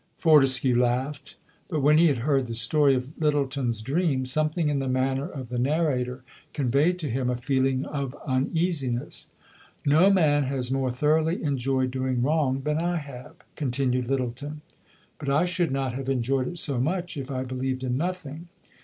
Fortescue laughed. But, when he had heard the story of Lyttelton's dream, something in the manner of the narrator conveyed to him a feeling of uneasiness. "No man has more thoroughly enjoyed doing wrong than I have," continued Lyttelton. "But I should not have enjoyed it so much if I believed in nothing.